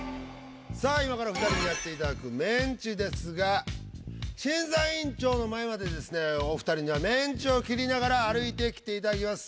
さあ今から２人にやっていただくメンチですが審査委員長の前までですねお二人にはメンチを切りながら歩いてきていただきます。